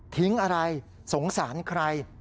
ทิ้งอะไรสงสารใคร